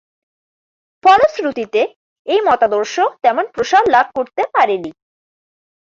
ফলশ্রুতিতে এই মতাদর্শ তেমন প্রসার লাভ করতে পারেনি।